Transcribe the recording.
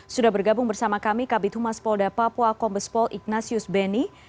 sudah bergabung bersama kami kabit humas polda papua kombespol ignatius beni